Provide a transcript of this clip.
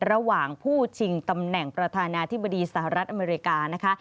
ระหว่างผู้ชิงตำแหน่งประธานาธิบดีสหรัฐอเมริกานะคะ